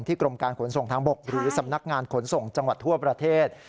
กรมการขนส่งทางบกหรือสำนักงานขนส่งจังหวัดทั่วประเทศ